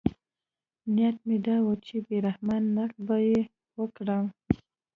نیت مې دا و چې بې رحمانه نقد به یې وکړم.